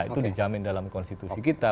itu dijamin dalam konstitusi kita